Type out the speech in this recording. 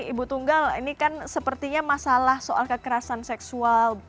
ibu tunggal ini kan sepertinya masalah soal kekerasan seksual